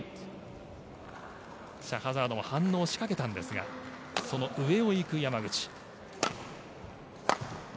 シャハザードも反応しかけたんですがその上を行く山口。